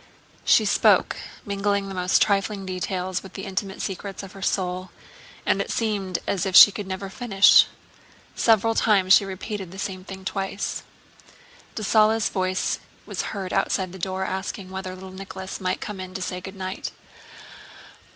She spoke, mingling most trifling details with the intimate secrets of her soul, and it seemed as if she could never finish. Several times she repeated the same thing twice. Dessalles' voice was heard outside the door asking whether little Nicholas might come in to say good night.